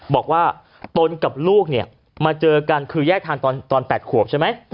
บอกว่าตนกับลูกเนี่ยมาเจอกันคือแยกทางตอน๘ขวบใช่ไหม